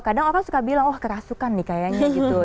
kadang orang suka bilang oh kerasukan nih kayaknya gitu